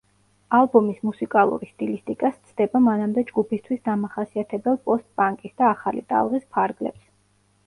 ალბომის მუსიკალური სტილისტიკა სცდება მანამდე ჯგუფისთვის დამახასიათებელ პოსტ-პანკის და ახალი ტალღის ფარგლებს.